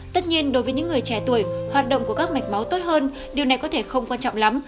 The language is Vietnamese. tất nhiên đối với những người trẻ tuổi hoạt động của các mạch máu tốt hơn điều này có thể không quan trọng lắm